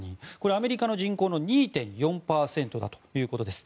アメリカの人口の２．４％だということです。